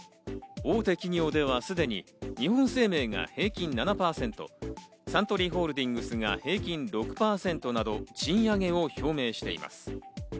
大手企業ではすでに日本生命が平均７％、サントリーホールディングスが平均６％など、賃上げを表明しています。